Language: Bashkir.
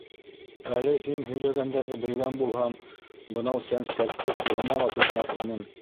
— Әле һин һөйләгәндәрҙе белгән булһам, бынау сәнскәкте ҡулыма ла тотмаҫ инем.